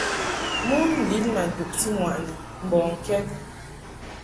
Mon lin ma duʼti ŋwaʼni mbɔŋkɛd.